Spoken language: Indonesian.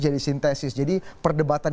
jadi sintesis jadi perdebatan